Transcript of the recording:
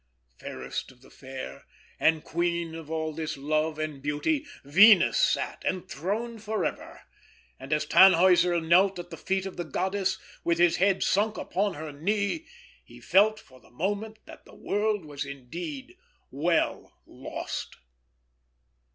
Fairest of the fair, and Queen of all this Love and Beauty, Venus sat, enthroned for ever; and as Tannhäuser knelt at the feet of the goddess, with his head sunk upon her knee, he felt for the moment that the world was indeed well lost.